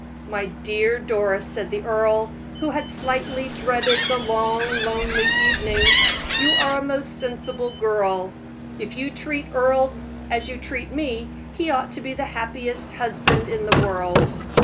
"My dear Doris," said the earl, who had slightly dreaded the long, lonely evening, "you are a most sensible girl. If you treat Earle as you treat me, he ought to be the happiest husband in the world."